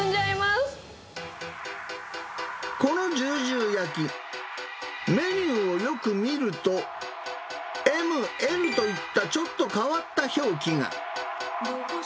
このじゅうじゅう焼き、メニューをよく見ると、Ｍ、Ｌといったちょっと変わった表記が。